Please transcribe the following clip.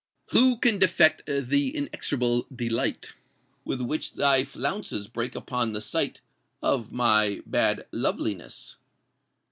Who can defect th' inexorable delight With which thy flounces break upon the sight Of my bad loveliness?